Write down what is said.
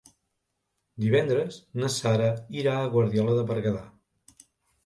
Divendres na Sara irà a Guardiola de Berguedà.